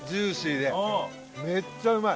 めっちゃうまい！